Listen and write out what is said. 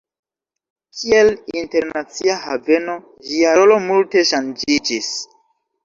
Kiel internacia haveno, ĝia rolo multe ŝanĝiĝis.